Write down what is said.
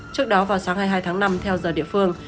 trước đó vào sáng hai mươi hai tháng năm theo giờ địa phương